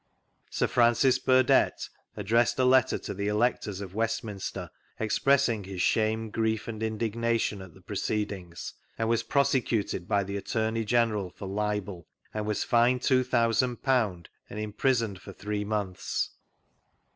Sir Francis Burdett addressed a letter to the Electors of Westminster, expressing his "Shame, grief, and indignatiffli " at the proceedings, and was prose cuted by the Attorney General for Libel and was vGoogIc 74 THREP ACCOUNTS OF PETERLOO fined ;£2,ooo and imprisooed for three months.